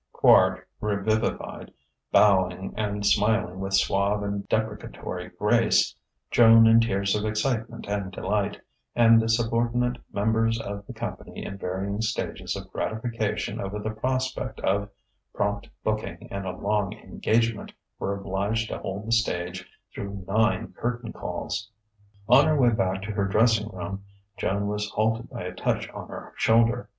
Quard, revivified, bowing and smiling with suave and deprecatory grace, Joan in tears of excitement and delight, and the subordinate members of the company in varying stages of gratification over the prospect of prompt booking and a long engagement, were obliged to hold the stage through nine curtain calls.... On her way back to her dressing room Joan was halted by a touch on her shoulder.